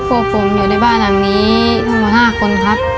ก็ครับผมอยู่ในบ้านหลังนี้ทั้งหมดห้าคนครับ